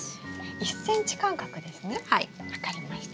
１ｃｍ間隔ですね分かりました。